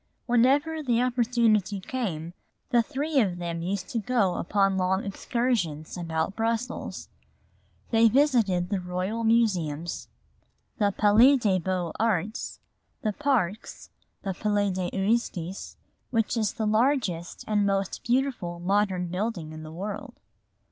Whenever the opportunity came, the three of them used to go upon long excursions about Brussels. They visited the Royal Museums, the Palais des Beaux Arts, the parks, the Palais de Justice, which is the largest and most beautiful modern building in the world.